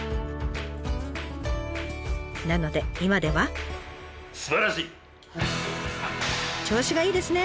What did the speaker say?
なので今では。調子がいいですね！